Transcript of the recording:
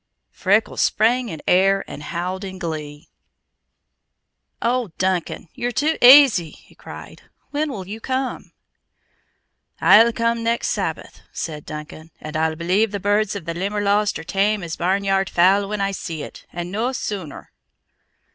Freckles sprang in air and howled in glee. "Oh, Duncan! You're too, aisy" he cried. "When will you come?" "I'll come next Sabbath," said Duncan. "And I'll believe the birds of the Limberlost are tame as barnyard fowl when I see it, and no sooner!"